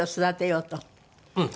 うん。